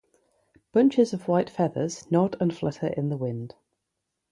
Bunches of white feathers nod and flutter in the wind.